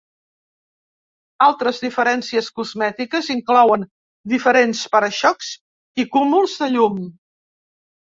Altres diferències cosmètiques inclouen diferents para-xocs i cúmuls de llum.